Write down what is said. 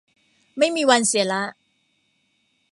ไม่มีวันเสียละ